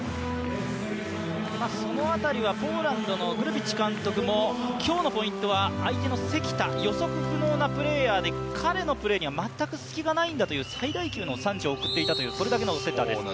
その辺りはポーランドのグルビッチ監督も今日のポイントは相手の関田予測不能のプレーヤーで彼のプレーには全く隙がないんだという最大級の賛辞を送っていたというセッターです。